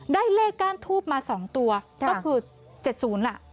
ได้เลขก้านทูบมาสองตัวก็คือเจ็ดศูนย์อ่ะ